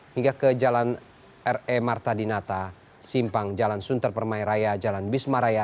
hingga ke jalan re marta dinata simpang jalan sunter permairaya jalan bismaraya